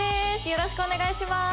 よろしくお願いします